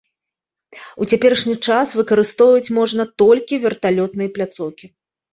У цяперашні час выкарыстоўваць можна толькі верталётны пляцоўкі.